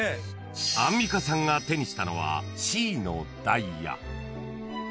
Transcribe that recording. ［アンミカさんが手にしたのはＣのダイヤ］